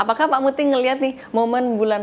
apakah pak muti ngelihat nih momen bulan